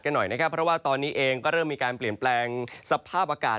กันหน่อยนะครับเพราะว่าตอนนี้เองก็เริ่มมีการเปลี่ยนแปลงสภาพอากาศ